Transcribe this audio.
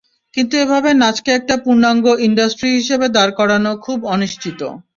কিন্তু এভাবে নাচকে একটা পূর্ণাঙ্গ ইন্ডাস্ট্রি হিসেবে দাঁড় করানো খুব অনিশ্চিত।